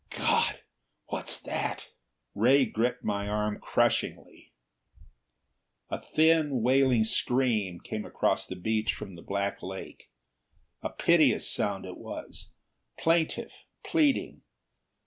"God! What's that?" Ray gripped my arm crushingly. A thin wailing scream came across the beach from the black lake. A piteous sound it was, plaintive, pleading.